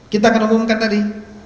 kita akan umumkan tadi